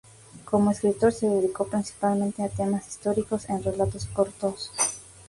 Como escritor se dedicó principalmente a temas históricos, en relatos cortos.